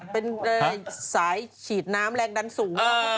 เป็นสายฉีดน้ำแรงดันสูง